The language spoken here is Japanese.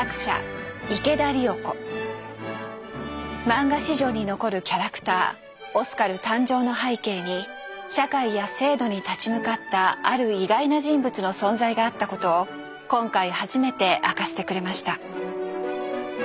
マンガ史上に残るキャラクターオスカル誕生の背景に社会や制度に立ち向かったある意外な人物の存在があったことを今回初めて明かしてくれました。